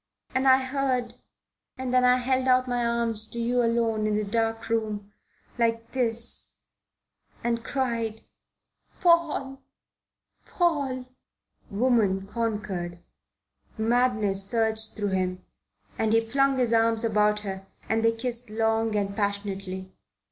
And I heard, and then I held out my arms to you alone in the dark room like this and cried: 'Paul, Paul!"' Woman conquered. Madness surged through him and he flung his arms about her and they kissed long and passionately.